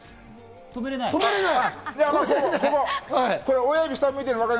止まれない。